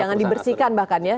jangan dibersihkan bahkan ya